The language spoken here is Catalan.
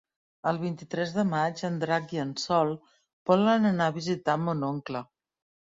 El vint-i-tres de maig en Drac i en Sol volen anar a visitar mon oncle.